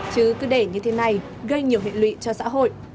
chứ cứ để như thế này gây nhiều hệ lụy cho xã hội